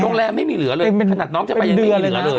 โรงแรมไม่มีเหลือเลยขนาดน้องจะไปยังไม่มีเหลือเลย